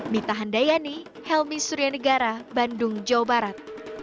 mitahan dayani helmi suryanegara bandung jawa barat